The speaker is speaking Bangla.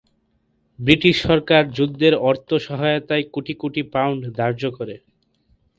ব্রিটিশ সরকার যুদ্ধের অর্থ সহায়তায় কোটি কোটি পাউন্ড ধার্য করে।